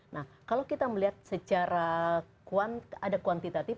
nah kalau kita melihat secara ada kuantitatif ada kualitatif